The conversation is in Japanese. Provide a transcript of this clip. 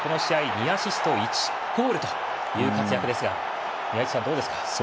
２アシスト１ゴールという活躍ですが宮市さん、どうですか？